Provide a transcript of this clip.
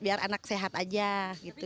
biar anak sehat aja gitu